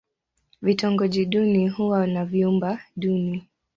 Vitongoji duni huwa na vyumba duni.